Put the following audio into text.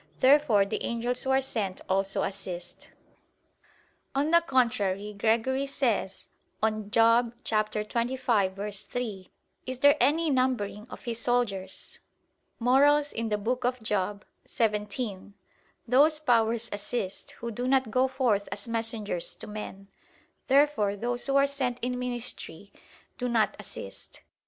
Therefore the angels who are sent also assist. On the contrary, Gregory says, on Job 25:3: "Is there any numbering of His soldiers?" (Moral. xvii): "Those powers assist, who do not go forth as messengers to men." Therefore those who are sent in ministry do not assist.